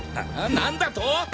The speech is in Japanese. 何だと？